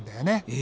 え？